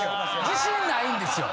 自信ないんですよ。